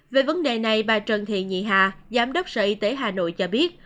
về vấn đề này bà trần thị nhị hà giám đốc sở y tế hà nội cho biết